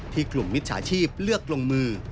ที่กลุ่มมิตรชาชีพเลือกลงมือ